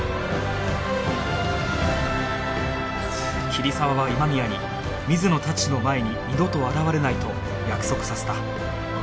桐沢は今宮に水野たちの前に二度と現れないと約束させた